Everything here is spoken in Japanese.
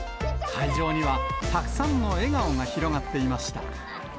会場にはたくさんの笑顔が広がっていました。